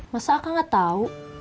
masa akan gak tahu